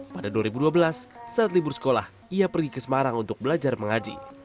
pada dua ribu dua belas saat libur sekolah ia pergi ke semarang untuk belajar mengaji